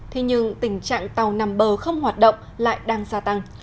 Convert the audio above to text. thế nhưng tình trạng tàu nằm bờ không hoạt động lại đang gia tăng